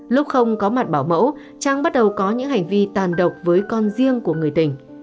lúc không có mặt bảo mẫu trang bắt đầu có những hành vi tàn độc với con riêng của người tình